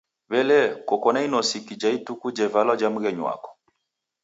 W'ele, koko na inosiki ja ituku jevalwa ja mghenyu wako?